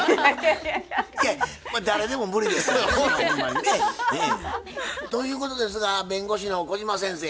まあ誰でも無理ですわなほんまにね。ということですが弁護士の小島先生